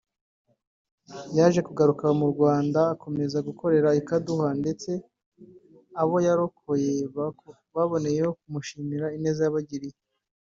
yaje kugaruka mu Rwanda akomeza gukora i Kaduha ndetse abo yarokoye baboneraho kumushimira ineza yabagiriye